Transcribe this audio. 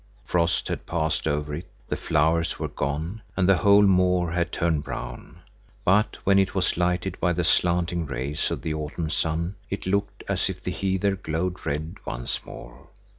Frost had passed over it, the flowers were gone, and the whole moor had turned brown. But when it was lighted by the slanting rays of the autumn sun, it looked as if the heather glowed red once more.